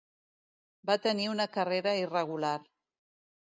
Va tenir una carrera irregular.